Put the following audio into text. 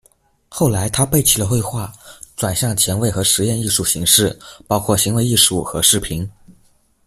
后来他背弃了绘画，转向前卫和实验艺术形式，包括行为艺术和视频。